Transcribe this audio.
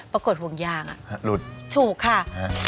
ปรากฏห่วงยางหลุดถูกค่ะ